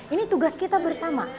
ini tugas kita bersama